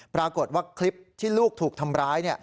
ปรากฏว่าคลิปที่ลูกถูกทำร้าย